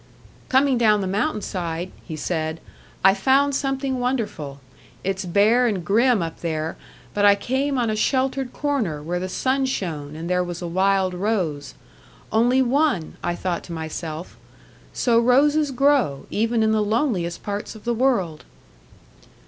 "Coming down the mountain side," he said, "I found something wonderful. It's bare and grim up there, but I came on a sheltered corner where the sun shone, and there was a wild rose. Only one! I thought to myself, 'So roses grow, even in the loneliest parts of the world!'"